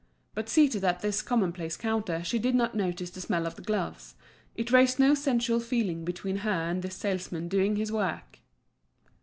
But seated at this commonplace counter she did not notice the smell of the gloves, it raised no sensual feeling between her and this salesman doing his work.